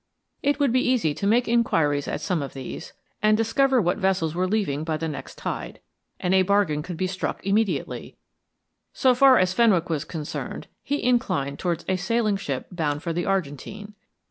It would be easy to make inquiries at some of these and discover what vessels were leaving by the next tide, and a bargain could be struck immediately, go far as Fen wick was concerned, he inclined towards a sailing ship bound for the Argentine.